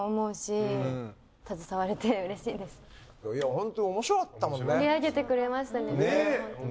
ホントおもしろかったもんね。